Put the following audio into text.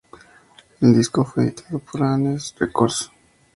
El disco fue editado por Anes Records.